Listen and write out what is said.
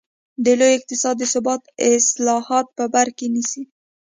د لوی اقتصاد د ثبات اصلاحات په بر کې نیسي.